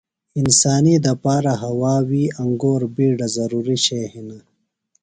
انسانی دپارہ ہوا، وی، انگور بِیڈہ ضروری شئیہ ہِنہ۔